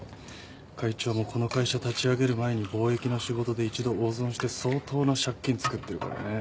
会長もこの会社立ち上げる前に貿易の仕事で１度大損して相当な借金作ってるからね。